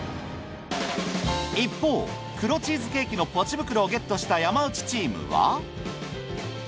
一方黒チーズケーキのポチ袋をゲットした山内チームは。